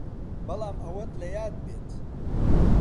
بەڵام ئەوەت لە یاد بێت